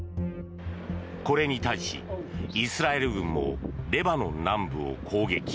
これに対し、イスラエル軍もレバノン南部を攻撃。